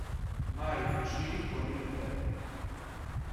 Mario Fucini con il Ten.